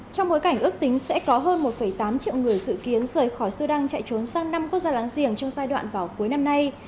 trong bối cảnh ước tính sẽ có hơn một tám triệu người dự kiến rời khỏi sudan chạy trốn sang năm quốc gia láng giềng trong giai đoạn vào cuối năm nay